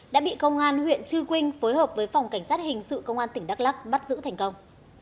đã bị công an huyện chư quynh phối hợp với phòng cảnh sát hình sự công an tỉnh đắk lắc bắt giữ thành công